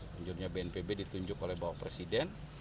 penjurnya bnpb ditunjuk oleh bapak presiden